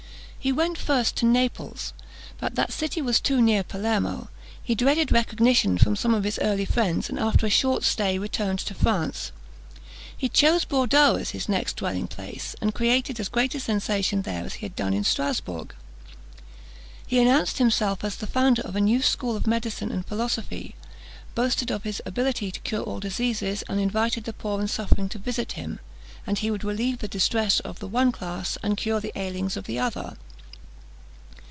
He went first to Naples, but that city was too near Palermo; he dreaded recognition from some of his early friends, and, after a short stay, returned to France. He chose Bourdeaux as his next dwelling place, and created as great a sensation there as he had done in Strasbourg. He announced himself as the founder of a new school of medicine and philosophy, boasted of his ability to cure all diseases, and invited the poor and suffering to visit him, and he would relieve the distress of the one class, and cure the ailings of the other.